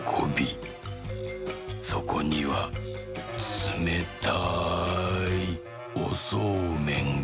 そこにはつめたいおそうめんが」。